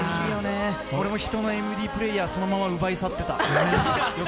俺も人のＭＰＳプレーヤー、そのまま奪い取ってた。